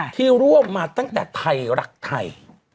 ที่ร่วมมาตั้งแต่ไทยรักไทย